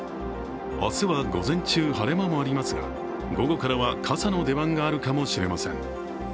明日は午前中、晴れ間もありますが午後からは傘の出番があるかもしれません。